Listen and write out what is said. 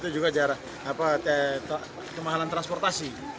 juga kemahalan transportasi